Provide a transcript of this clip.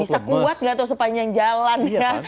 nah bisa kuat gak tuh sepanjang jalan ya